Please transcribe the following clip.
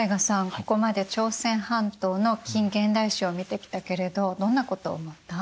ここまで朝鮮半島の近現代史を見てきたけれどどんなことを思った？